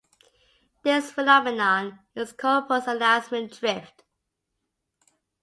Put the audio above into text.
This phenomenon is called post-announcement drift.